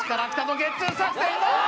ゲッツー作戦ああ